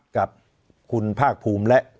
กับคุณภาคภูมิและ